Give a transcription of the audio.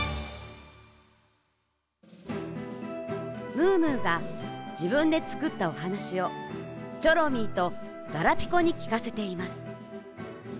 ムームーがじぶんでつくったおはなしをチョロミーとガラピコにきかせています。